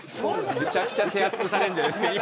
むちゃくちゃ手厚くされるんじゃないですか